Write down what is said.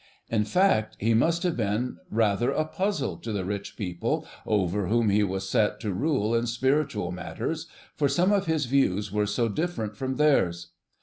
In fact, he must have been rather a puzzle to the rich people over whom he was set to rule in spiritual matters, for some of his views were so different from theirs.